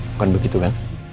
bukan begitu kan